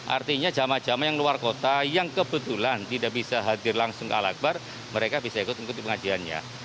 artinya jamaah jamaah yang luar kota yang kebetulan tidak bisa hadir langsung ke al akbar mereka bisa ikut ikut pengajiannya